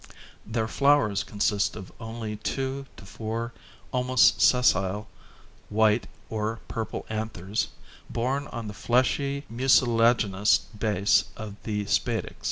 Their flowers consist of only 2 4 almost sessile, white or purple anthers, borne on the fleshy mucilaginous base of the spadix.